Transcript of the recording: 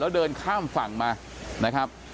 แล้วเดินข้ามฝั่งมานะครับ